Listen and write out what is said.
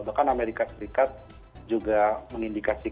bahkan amerika serikat juga mengindikasikan